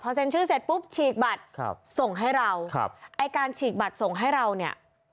เซ็นชื่อเสร็จปุ๊บฉีกบัตรครับส่งให้เราครับไอ้การฉีกบัตรส่งให้เราเนี่ย